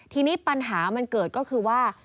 ทีนี้ปัญหามันเกิดก็คือว่า